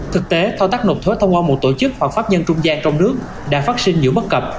thực tế thao tác nộp thuế thông qua một tổ chức hoặc pháp nhân trung gian trong nước đã phát sinh nhiều bất cập